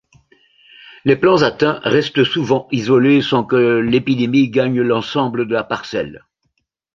Les plants atteints restent souvent isolés sans que l'épidémie gagne l'ensemble de la parcelle.